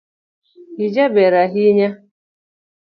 Ijaber ahinya